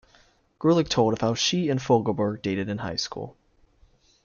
Greulich told of how she and Fogelberg dated in high school.